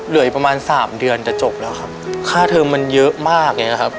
เหลืออีกประมาณสามเดือนจะจบแล้วครับค่าเทอมมันเยอะมากอย่างเงี้ยครับ